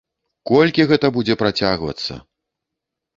Колькі гэта будзе працягвацца?